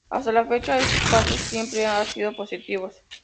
Hasta la fecha estos pasos siempre han sido positivos.